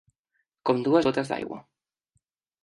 Com dues gotes d'aigua.